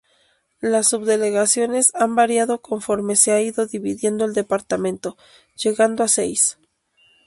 Las subdelegaciones han variado conforme se ha ido dividiendo el Departamento, llegando a seis.